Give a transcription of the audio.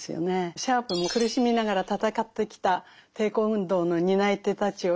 シャープも苦しみながら闘ってきた抵抗運動の担い手たちを称賛しています。